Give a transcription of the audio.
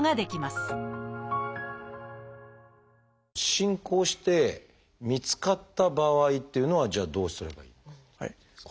進行して見つかった場合っていうのはじゃあどうすればいいのかっていう。